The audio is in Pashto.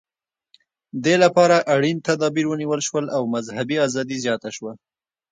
دې لپاره اړین تدابیر ونیول شول او مذهبي ازادي زیاته شوه.